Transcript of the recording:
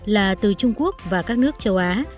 là từ trung quốc và các nước châu á